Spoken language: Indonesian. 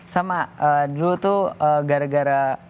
sama dulu tuh gara gara